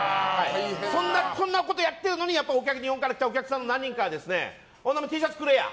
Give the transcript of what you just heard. こんなことをやっているのに日本からきたお客さんの何人かはＴシャツくれや！